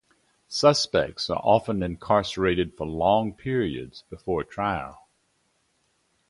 Suspects are often incarcerated for long periods before trial.